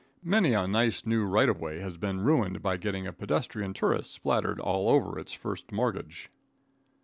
Many a nice, new right of way has been ruined by getting a pedestrian tourist spattered all over its first mortgage.